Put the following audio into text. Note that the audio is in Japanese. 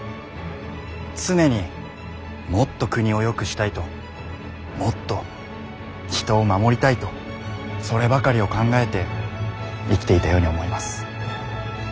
常にもっと国をよくしたいともっと人を守りたいとそればかりを考えて生きていたように思います。